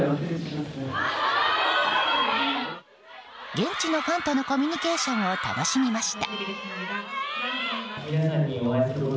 現地のファンとのコミュニケーションを楽しみました。